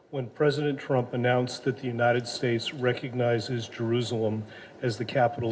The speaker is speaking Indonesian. ketika presiden trump mengatakan bahwa amerika serikat mengenal jerusalem sebagai kota jerusalem